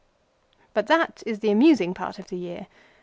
But that is the amusing part of the year.